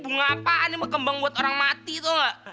bunga apaan nih mau kembang buat orang mati tau gak